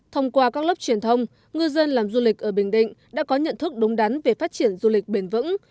thông qua các lớp truyền thông ngư dân làm du lịch ở bình định đã có nhận thức đúng đắn về phát triển du lịch bền vững